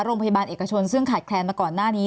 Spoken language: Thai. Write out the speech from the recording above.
โรงพยาบาลเอกชนซึ่งขาดแคลนมาก่อนหน้านี้